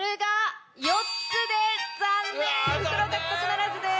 袋獲得ならずです。